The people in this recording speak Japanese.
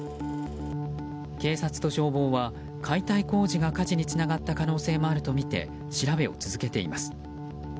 警察と消防は、解体工事が火事につながった可能性もあるとみて、調べを続けています。